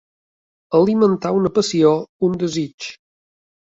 Alimentar una passió, un desig.